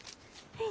はい。